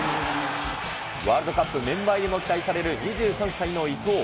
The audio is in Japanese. ワールドカップメンバー入りも期待される２３歳の伊藤。